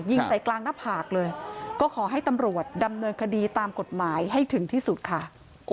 ยิงใส่กลางหน้าผากเลยก็ขอให้ตำรวจดำเนินคดีตามกฎหมายให้ถึงที่สุดค่ะ